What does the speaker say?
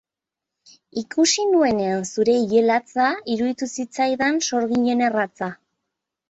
Ikusi nuenean zure Ile latza iruditu zitzaidan sorginen erratza.